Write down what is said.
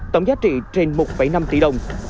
tổng giá trị trên một năm tỷ đồng